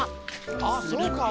ああそうか。